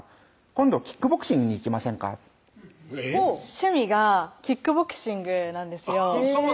趣味がキックボクシングなんですよ